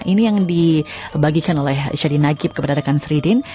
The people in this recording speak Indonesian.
ini yang dibagikan oleh syadi nagib kepada rekan sridin